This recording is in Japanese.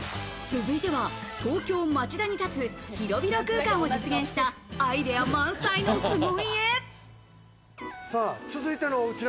続いては東京・町田に建つ広々空間を実現したアイデア満載の凄家。